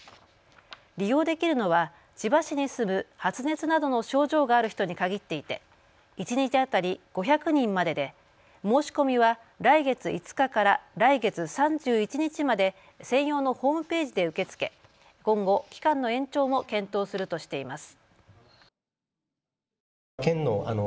利用できるのは千葉市に住む発熱などの症状がある人に限っていて一日当たり５００人までで申し込みは来月５日から来月３１日まで専用のホームページで受け付け今後、期間の延長も検討するとしています。